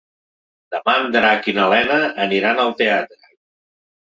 Demà en Drac i na Lena aniran al teatre.